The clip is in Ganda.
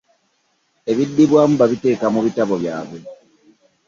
Ebiddibwamu babiteeka mu bitabo byabwe